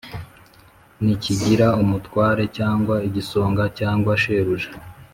ntikigira umutware cyangwa igisonga cyangwa shebuja,